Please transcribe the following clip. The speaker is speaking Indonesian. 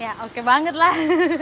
ya oke banget lah